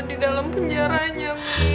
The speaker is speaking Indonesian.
di dalam penjaranya